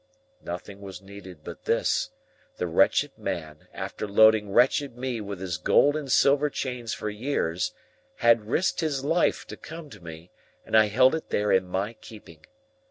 Nothing was needed but this; the wretched man, after loading wretched me with his gold and silver chains for years, had risked his life to come to me, and I held it there in my keeping!